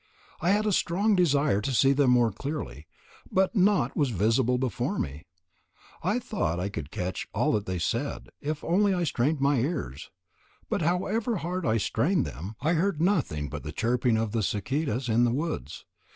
I had a strong desire to see them more clearly, but naught was visible before me; I thought I could catch all that they said if I only strained my ears; but however hard I strained them, I heard nothing but the chirping of the cicadas in the woods.